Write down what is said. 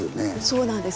そうなんです。